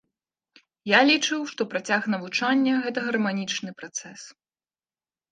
Я лічыў, што працяг навучання гэта гарманічны працэс.